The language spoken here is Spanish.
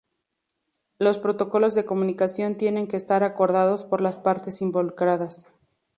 Los protocolos de comunicación tienen que estar acordados por las partes involucradas.